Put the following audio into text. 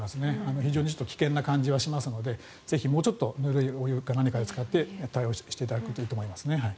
非常に危険な感じがしますのでもうちょっとぬるいお湯か何かにつかって対応していただくといいと思います。